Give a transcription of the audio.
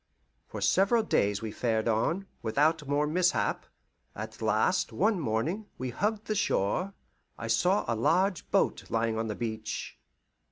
For several days we fared on, without more mishap. At last, one morning, we hugged the shore, I saw a large boat lying on the beach.